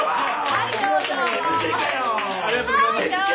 はいどうぞ。